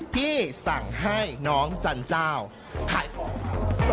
ที่สั่งให้น้องจันเจ้าขายของ